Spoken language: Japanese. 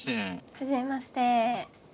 はじめまして。